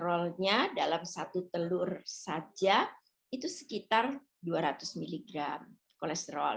rollnya dalam satu telur saja itu sekitar dua ratus miligram kolesterol